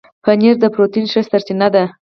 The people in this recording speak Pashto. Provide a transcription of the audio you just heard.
پنېر د پروټين ښه سرچینه ده.